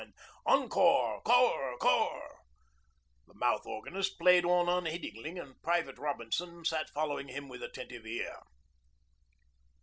and 'Encore 'core 'core!' The mouth organist played on unheedingly and Private Robinson sat following him with attentive ear.